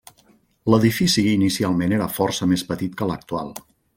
L'edifici inicialment era força més petit que l'actual.